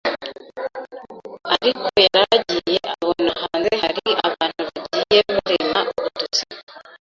ariko yaragiye abona hanze hari abantu bagiye barema udutsiko